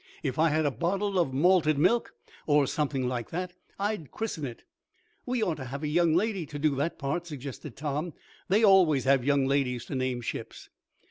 "If I had a bottle of malted milk, or something like that, I'd christen it." "We ought to have a young lady to do that part," suggested Tom. "They always have young ladies to name ships."